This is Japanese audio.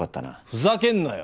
ふざけんなよ